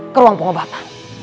ke ruang pengobatan